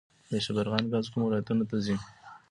د شبرغان ګاز کومو ولایتونو ته ځي؟